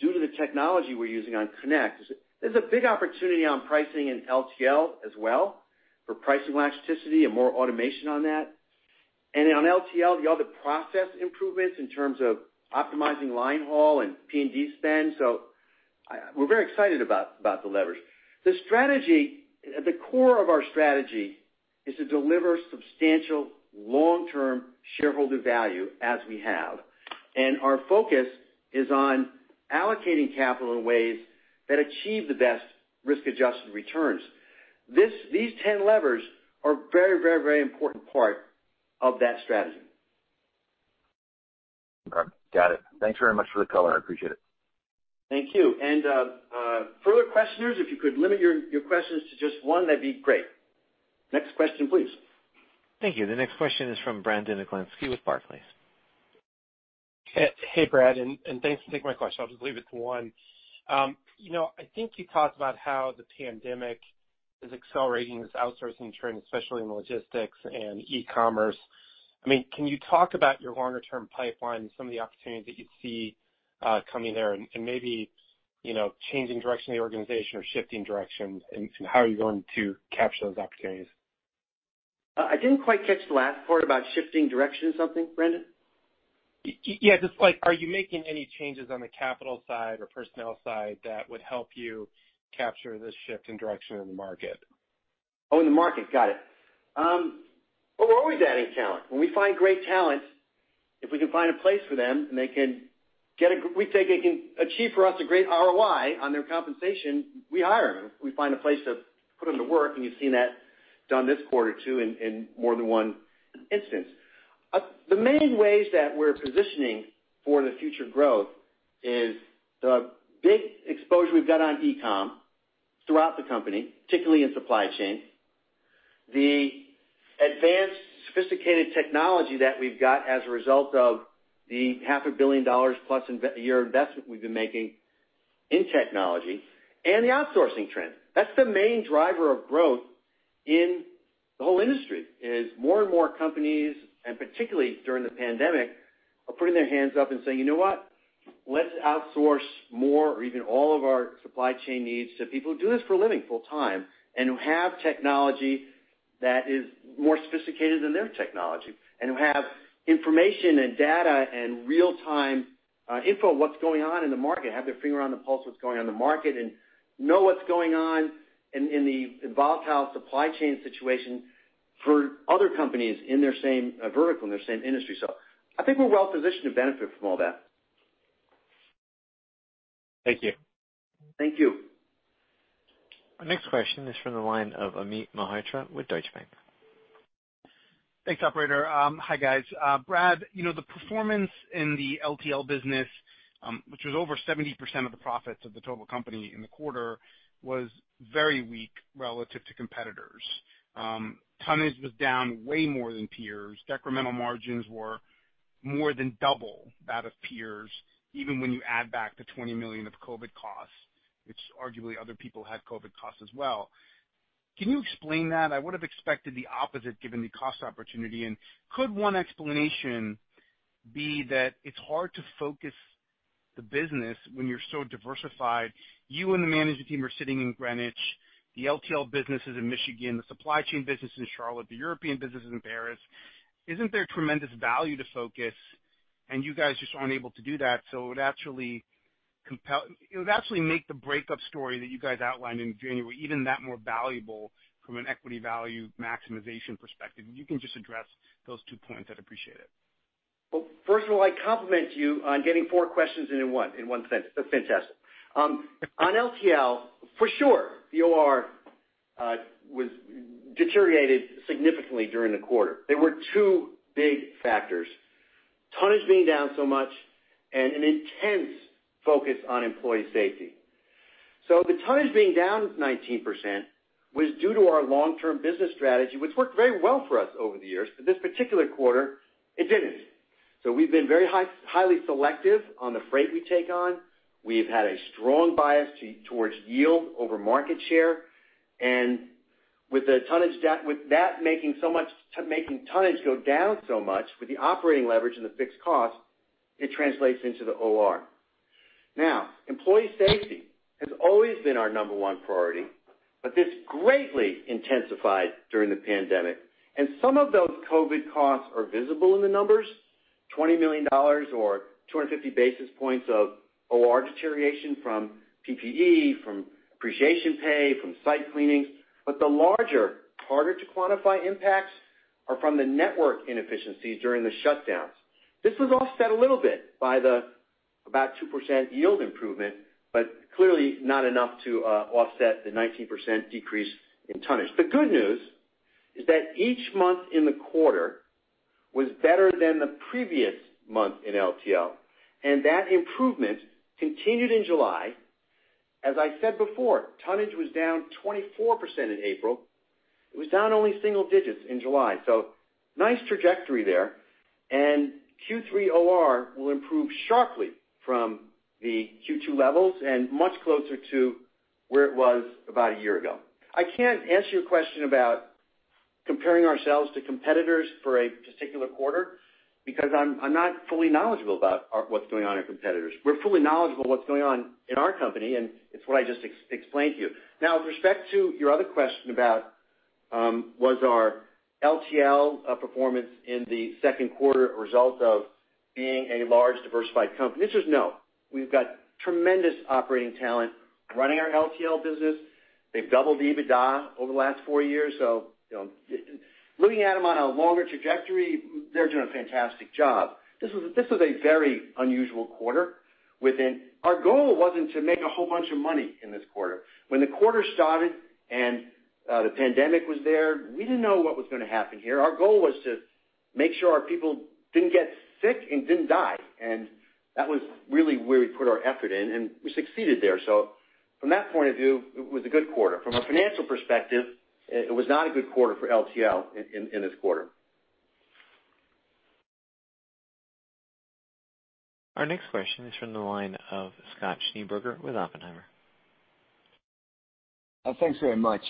due to the technology we're using on Connect. There's a big opportunity on pricing in LTL as well for pricing elasticity and more automation on that. On LTL, the other process improvements in terms of optimizing line haul and P&D spend. We're very excited about the leverage. The core of our strategy is to deliver substantial long-term shareholder value as we have. Our focus is on allocating capital in ways that achieve the best risk-adjusted returns. These 10 Levers are a very important part of that strategy. All right. Got it. Thanks very much for the color. I appreciate it. Thank you. Further questioners, if you could limit your questions to just one, that'd be great. Next question, please. Thank you. The next question is from Brandon Oglenski with Barclays. Hey, Brad, and thanks. I think my question, I'll just leave it to one. I think you talked about how the pandemic is accelerating this outsourcing trend, especially in logistics and e-commerce. Can you talk about your longer-term pipeline and some of the opportunities that you see coming there and maybe, changing direction of the organization or shifting directions, and how are you going to capture those opportunities? I didn't quite catch the last part about shifting direction of something, Brandon. Yeah. Just like, are you making any changes on the capital side or personnel side that would help you capture the shift in direction of the market? Oh, in the market. Got it. Well, we're always adding talent. When we find great talent, if we can find a place for them, and we think they can achieve for us a great ROI on their compensation, we hire them. We find a place to put them to work, and you've seen that done this quarter, too, in more than one instance. The main ways that we're positioning for the future growth is the big exposure we've got on e-com throughout the company, particularly in supply chain. The advanced, sophisticated technology that we've got as a result of the half a billion dollars plus a year investment we've been making in technology and the outsourcing trend. That's the main driver of growth in the whole industry, is more and more companies, and particularly during the pandemic, are putting their hands up and saying, You know what? Let's outsource more or even all of our supply chain needs to people who do this for a living full time, and who have technology that is more sophisticated than their technology, and who have information and data and real-time info on what's going on in the market, have their finger on the pulse of what's going on in the market, and know what's going on in the volatile supply chain situation for other companies in their same vertical, in their same industry. I think we're well positioned to benefit from all that. Thank you. Thank you. Our next question is from the line of Amit Mehrotra with Deutsche Bank. Thanks, operator. Hi, guys. Brad, the performance in the LTL business, which was over 70% of the profits of the total company in the quarter, was very weak relative to competitors. Tonnage was down way more than peers. Decremental margins were more than double that of peers, even when you add back the $20 million of COVID costs, which arguably other people had COVID costs as well. Can you explain that? I would have expected the opposite given the cost opportunity. Could one explanation be that it's hard to focus the business when you're so diversified? You and the management team are sitting in Greenwich. The LTL business is in Michigan. The supply chain business is in Charlotte. The European business is in Paris. Isn't there tremendous value to focus, and you guys just aren't able to do that, so it would actually make the breakup story that you guys outlined in January even that more valuable from an equity value maximization perspective? If you can just address those two points, I'd appreciate it. Well, first of all, I compliment you on getting four questions in one sentence. That's fantastic. On LTL, for sure, the OR was deteriorated significantly during the quarter. There were two big factors. Tonnage being down so much and an intense focus on employee safety. The tonnage being down 19% was due to our long-term business strategy, which worked very well for us over the years. This particular quarter, it didn't. We've been very highly selective on the freight we take on. We've had a strong bias towards yield over market share. With that making tonnage go down so much with the operating leverage and the fixed cost, it translates into the OR. Now, employee safety has always been our number 1 priority, but this greatly intensified during the pandemic. Some of those COVID costs are visible in the numbers. $20 million or 250 basis points of OR deterioration from PPE appreciation pay from site cleaning. The larger, harder to quantify impacts are from the network inefficiencies during the shutdowns. This was offset a little bit by the about 2% yield improvement, but clearly not enough to offset the 19% decrease in tonnage. The good news is that each month in the quarter was better than the previous month in LTL, and that improvement continued in July. As I said before, tonnage was down 24% in April. It was down only single-digits in July. Nice trajectory there. Q3 OR will improve sharply from the Q2 levels and much closer to where it was about a year ago. I can't answer your question about comparing ourselves to competitors for a particular quarter because I'm not fully knowledgeable about what's going on in competitors. We're fully knowledgeable what's going on in our company, and it's what I just explained to you. With respect to your other question about, was our LTL performance in the second quarter a result of being a large diversified company? The answer is no. We've got tremendous operating talent running our LTL business. They've doubled EBITDA over the last four years. Looking at them on a longer trajectory, they're doing a fantastic job. This was a very unusual quarter within. Our goal wasn't to make a whole bunch of money in this quarter. When the quarter started and the pandemic was there, we didn't know what was going to happen here. Our goal was to make sure our people didn't get sick and didn't die. And that was really where we put our effort in, and we succeeded there. From that point of view, it was a good quarter. From a financial perspective, it was not a good quarter for LTL in this quarter. Our next question is from the line of Scott Schneeberger with Oppenheimer. Thanks very much.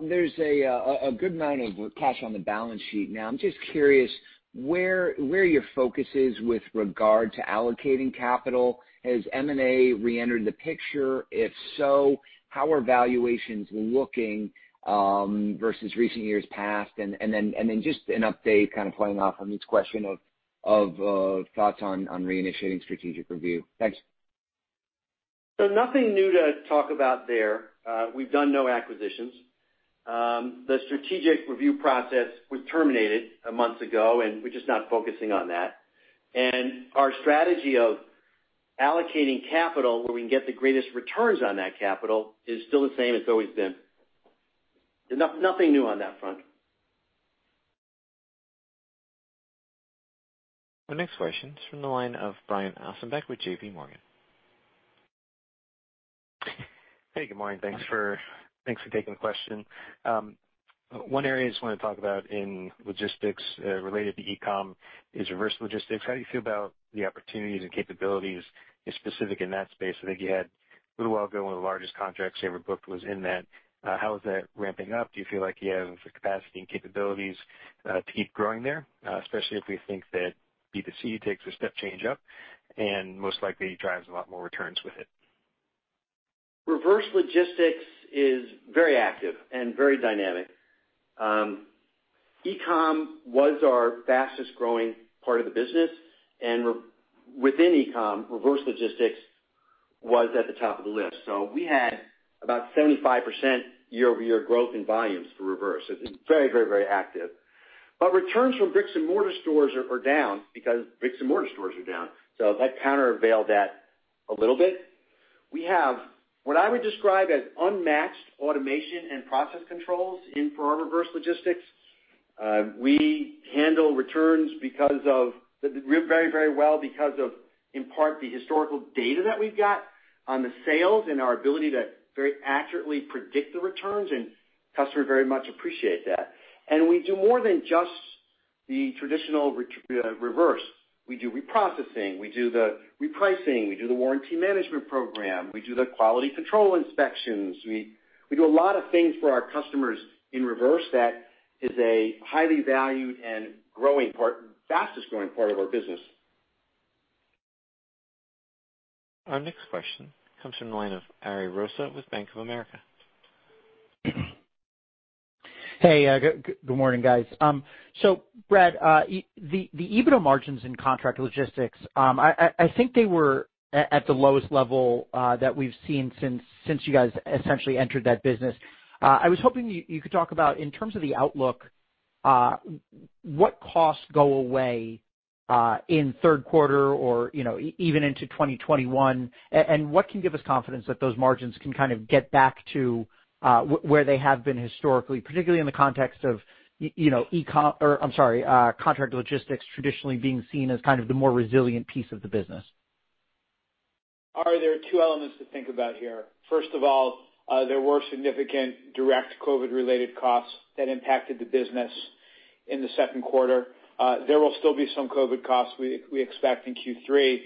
There's a good amount of cash on the balance sheet now. I'm just curious where your focus is with regard to allocating capital. Has M&A reentered the picture? If so, how are valuations looking versus recent years past? Then just an update kind of playing off Amit's question of thoughts on reinitiating strategic review? Thanks. Nothing new to talk about there. We've done no acquisitions. The strategic review process was terminated months ago, and we're just not focusing on that. Our strategy of allocating capital where we can get the greatest returns on that capital is still the same as it's always been. Nothing new on that front. Our next question is from the line of Brian Ossenbeck with JPMorgan. Hey, good morning. Thanks for taking the question. One area I just want to talk about in logistics related to e-com is reverse logistics. How do you feel about the opportunities and capabilities specific in that space? I think you had, a little while ago, one of the largest contracts you ever booked was in that. How is that ramping up? Do you feel like you have the capacity and capabilities to keep growing there? Especially if we think that B2C takes a step change up and most likely drives a lot more returns with it. Reverse logistics is very active and very dynamic. E-com was our fastest growing part of the business, and within e-com, reverse logistics was at the top of the list. We had about 75% year-over-year growth in volumes for reverse. It's very active. Returns from bricks and mortar stores are down because bricks and mortar stores are down. That countervailed that a little bit. We have what I would describe as unmatched automation and process controls for our reverse logistics. We handle returns very well because of, in part, the historical data that we've got on the sales and our ability to very accurately predict the returns, and customers very much appreciate that. We do more than just the traditional reverse. We do reprocessing, we do the repricing, we do the warranty management program, we do the quality control inspections. We do a lot of things for our customers in reverse that is a highly valued and fastest growing part of our business. Our next question comes from the line of Ariel Rosa with Bank of America. Hey, good morning, guys. Brad, the EBITDA margins in contract logistics, I think they were at the lowest level that we've seen since you guys essentially entered that business. I was hoping you could talk about, in terms of the outlook, what costs go away in third quarter or even into 2021. What can give us confidence that those margins can kind of get back to where they have been historically, particularly in the context of contract logistics traditionally being seen as kind of the more resilient piece of the business? Ari, there are two elements to think about here. First of all, there were significant direct COVID related costs that impacted the business in the second quarter. There will still be some COVID costs we expect in Q3.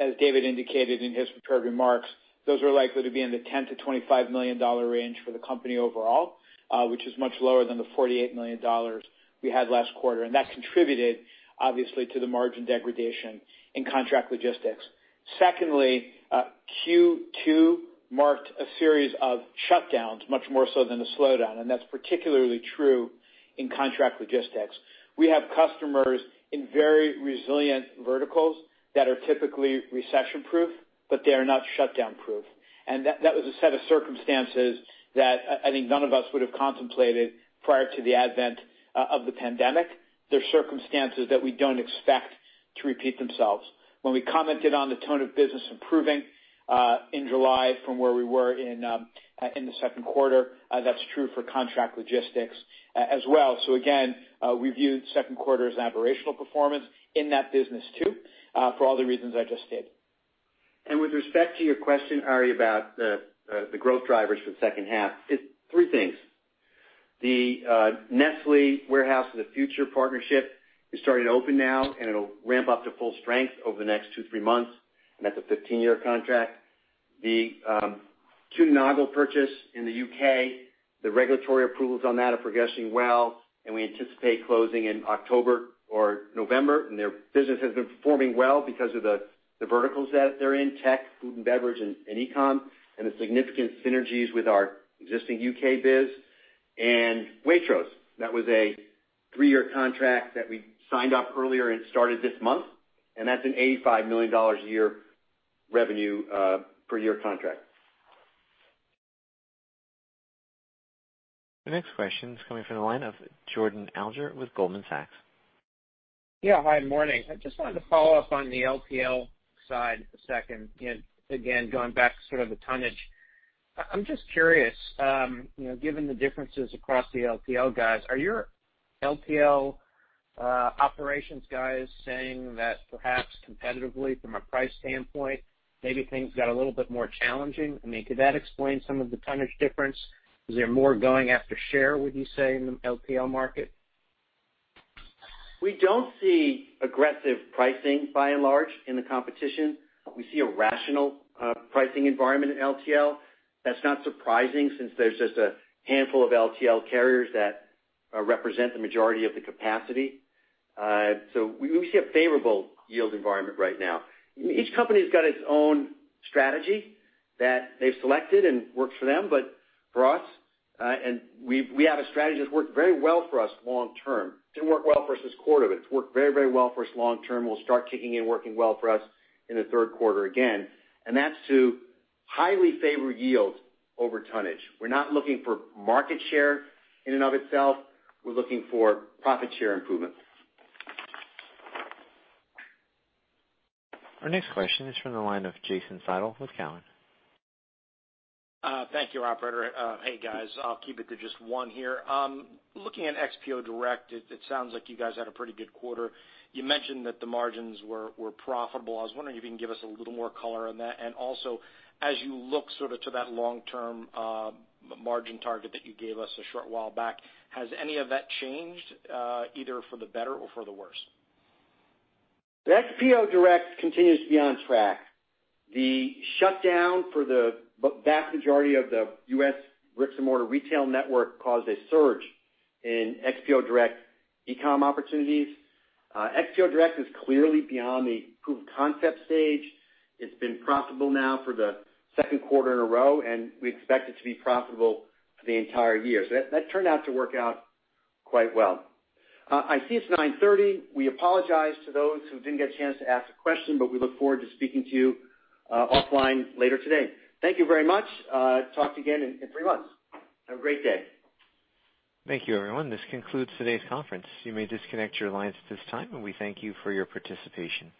As David indicated in his prepared remarks, those are likely to be in the $10 million-$25 million range for the company overall, which is much lower than the $48 million That contributed, obviously, to the margin degradation in contract logistics. Secondly, Q2 marked a series of shutdowns much more so than a slowdown. That's particularly true in contract logistics. We have customers in very resilient verticals that are typically recession-proof. They are not shutdown-proof. That was a set of circumstances that I think none of us would have contemplated prior to the advent of the pandemic. They're circumstances that we don't expect to repeat themselves. When we commented on the tone of business improving in July from where we were in the second quarter, that's true for contract logistics as well. Again, we view second quarter as aberrational performance in that business too, for all the reasons I just stated. With respect to your question, Ari, about the growth drivers for the second half, it's three things. The Nestlé Warehouse of the Future partnership is starting to open now, and it'll ramp up to full strength over the next two, three months, and that's a 15-year contract. The Kuehne+Nagel purchase in the U.K., the regulatory approvals on that are progressing well, and we anticipate closing in October or November, and their business has been performing well because of the verticals that they're in, tech, food and beverage, and e-com, and the significant synergies with our existing U.K. biz. Waitrose. That was a three-year contract that we signed up earlier and started this month, and that's an $85 million a year revenue per year contract. The next question is coming from the line of Jordan Alliger with Goldman Sachs. Yeah. Hi, morning. I just wanted to follow up on the LTL side a second. Again, going back to sort of the tonnage. I'm just curious, given the differences across the LTL guys, are your LTL operations guys saying that perhaps competitively from a price standpoint, maybe things got a little bit more challenging? Could that explain some of the tonnage difference? Is there more going after share, would you say, in the LTL market? We don't see aggressive pricing by and large in the competition. We see a rational pricing environment in LTL. That's not surprising since there's just a handful of LTL carriers that represent the majority of the capacity. We see a favorable yield environment right now. Each company has got its own strategy that they've selected and works for them. For us, we have a strategy that's worked very well for us long term. Didn't work well for us this quarter, it's worked very well for us long term. Will start kicking in, working well for us in the third quarter again, that's to highly favor yield over tonnage. We're not looking for market share in and of itself. We're looking for profit share improvement. Our next question is from the line of Jason Seidl with Cowen. Thank you, operator. Hey, guys. I'll keep it to just one here. Looking at XPO Direct, it sounds like you guys had a pretty good quarter. You mentioned that the margins were profitable. Also, as you look to that long-term margin target that you gave us a short while back, has any of that changed, either for the better or for the worse? The XPO Direct continues to be on track. The shutdown for the vast majority of the U.S. bricks and mortar retail network caused a surge in XPO Direct e-com opportunities. XPO Direct is clearly beyond the proof of concept stage. It's been profitable now for the second quarter in a row, and we expect it to be profitable for the entire year. That turned out to work out quite well. I see it's 9:30 A.M. We apologize to those who didn't get a chance to ask a question, but we look forward to speaking to you offline later today. Thank you very much. Talk to you again in three months. Have a great day. Thank you, everyone. This concludes today's conference. You may disconnect your lines at this time, and we thank you for your participation.